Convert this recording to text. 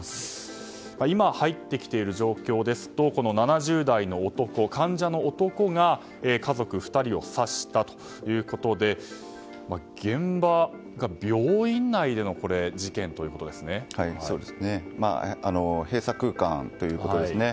今、入ってきている状況ですと７０代の男、患者の男が家族２人を刺したということで現場、病院内での閉鎖空間ということですね。